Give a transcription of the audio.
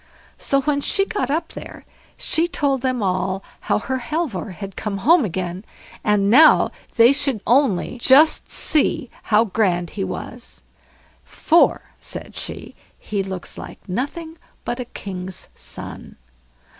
So, when she got up there, she told them all how her Halvor had come home again, and now they should only just see how grand he was, for, said she, "he looks like nothing but a king's son".